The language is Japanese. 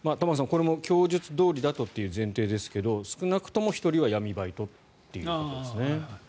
これも供述どおりだとという前提ですが少なくとも１人は闇バイトということですね。